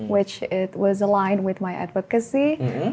yang terhubung dengan advocacy saya